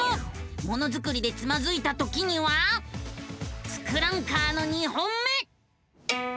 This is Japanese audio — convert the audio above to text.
ものづくりでつまずいたときには「ツクランカー」の２本目！